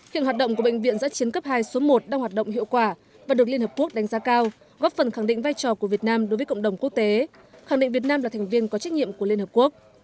hiện hoạt động của bệnh viện giã chiến cấp hai số một đang hoạt động hiệu quả và được liên hợp quốc đánh giá cao góp phần khẳng định vai trò của việt nam đối với cộng đồng quốc tế khẳng định việt nam là thành viên có trách nhiệm của liên hợp quốc